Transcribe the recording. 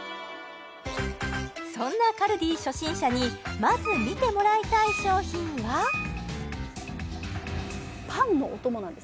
そんなカルディ初心者にまず見てもらいたい商品はパンのお供？